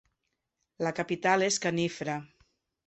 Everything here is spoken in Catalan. La capital és Khenifra.